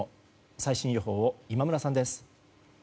最新予報を今村さんです。